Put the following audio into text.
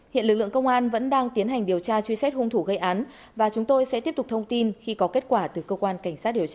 hiện lực lượng công an vẫn đang tiến hành điều tra truy xét hung thủ gây án và chúng tôi sẽ tiếp tục thông tin khi có kết quả từ cơ quan cảnh sát điều tra